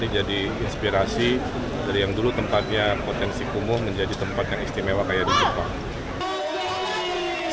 jadi integrasi dari yang dulu tempatnya potensi kumuh menjadi tempat yang istimewa kaya juga